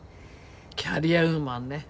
キャリアウーマンね。